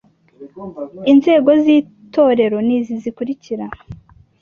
Inzego z itorero n izi zikurikira